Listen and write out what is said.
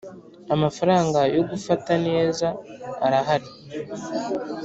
Amafaranga yo gufata neza arahari